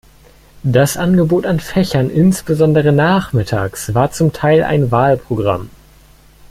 Das Angebot an Fächern insbesondere nachmittags war zum Teil ein Wahlprogramm.